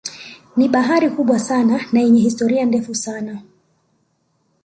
Ni bahari kubwa sana na yenye historia ndefu sana